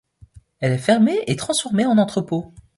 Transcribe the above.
Elle est fermée et transformée en entrepôt.